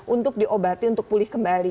untuk diobati untuk pulih kembali